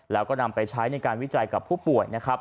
แล้วก็นำไปใช้ในการวิจัยกับผู้ป่วยนะครับ